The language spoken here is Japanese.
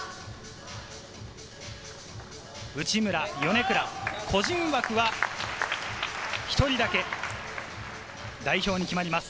内村、米倉、個人枠は１人だけ、代表に決まります。